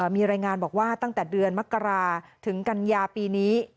มีรายงานบอกว่าตั้งแต่เดือนมกราถึงกันยาปีนี้